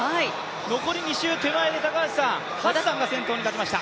残り２周手前でハッサンが先頭に立ちました。